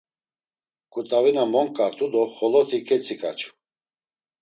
K̆ut̆avina monǩart̆u do xoloti ketziǩaçu.